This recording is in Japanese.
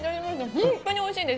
本当においしいです。